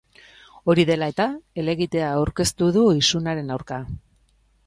Hori dela eta, helegitea aurkeztu du isunaren aurka.